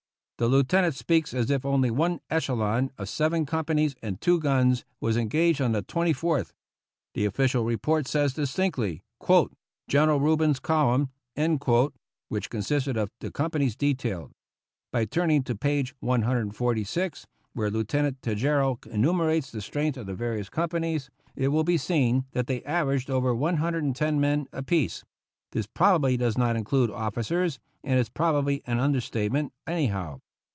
The Lieutenant speaks as if only one echelon, of seven companies and two guns, was engaged on the 24th. The official report says distinctly, " General Rubin's column," which consisted of the companies detailed above. By turning to page 146, where Lieutenant Tejeiro enumerates the strength of the various com panies, it will be seen that they averaged over no men apiece ; this probably does not include officers, and is probably an under statement anyhow.